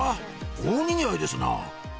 大にぎわいですな